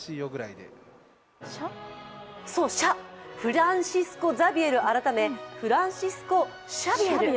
フランシスコ・ザビエル改め、フランシスコ・シャヴィエル。